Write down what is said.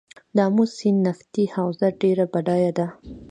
د امو سیند نفتي حوزه ډیره بډایه ده